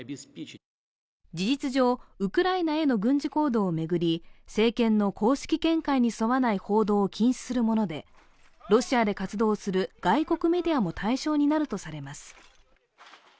事実上、ウクライナへの軍事行動を巡り、政権の公式見解に沿わない報道を禁止するもので、ロシアで活動する外国メディアも対象になるとされます。